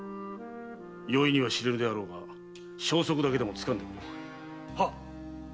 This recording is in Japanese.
容易には知れぬであろうが消息だけでもつかんでくれ。